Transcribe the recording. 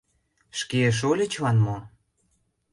Шке шольычлан мо?